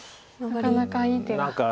なかなかいい手がないと。